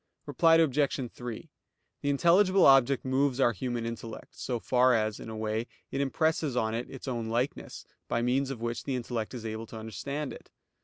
Reply Obj. 3: The intelligible object moves our human intellect, so far as, in a way, it impresses on it its own likeness, by means of which the intellect is able to understand it.